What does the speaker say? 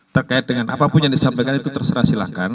terkait dengan apapun yang disampaikan itu terserah silahkan